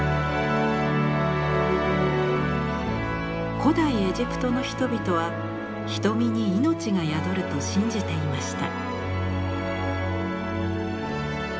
古代エジプトの人々は瞳に命が宿ると信じていました。